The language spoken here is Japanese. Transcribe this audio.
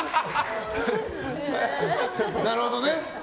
なるほどね。